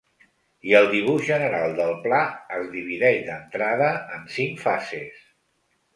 I el dibuix general del pla es divideix d’entrada en cinc fases.